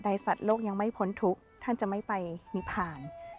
สัตว์โลกยังไม่พ้นทุกข์ท่านจะไม่ไปนิพาน